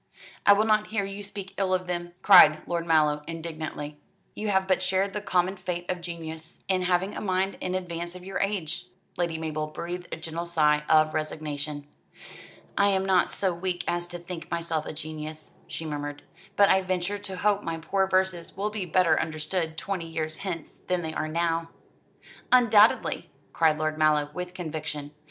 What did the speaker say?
"I will not hear you speak ill of them," cried Lord Mallow indignantly. "You have but shared the common fate of genius, in having a mind in advance of your age." Lady Mabel breathed a gentle sigh of resignation. "I am not so weak as to think myself a genius," she murmured; "but I venture to hope my poor verses will be better understood twenty years hence than they are now." "Undoubtedly!" cried Lord Mallow, with conviction.